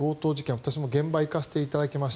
私も現場に行かせていただきました。